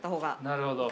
なるほど。